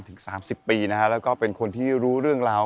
ถึง๓๐ปีและเป็นคนที่รู้เรื่องราว